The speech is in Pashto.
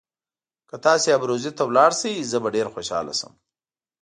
که تاسي ابروزي ته ولاړ شئ زه به ډېر خوشاله شم.